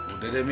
udah deh mi